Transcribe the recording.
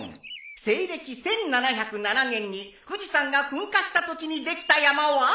西暦１７０７年に富士山が噴火したときにできた山は？